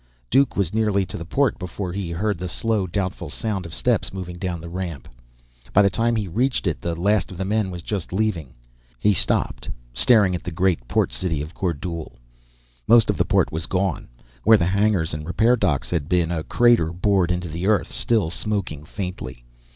Duke was nearly to the port before he heard the slow, doubtful sound of steps moving down the ramp. By the time he reached it, the last of the men was just leaving. He stopped, staring at the great port city of Kordule. Most of the port was gone. Where the hangars and repair docks had been, a crater bored into the earth, still smoking faintly.